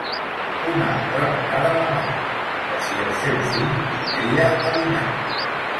Una altra vegada la mare, que si el seu fill vindria a dinar...